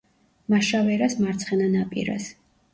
მაშავერას მარცხენა ნაპირას.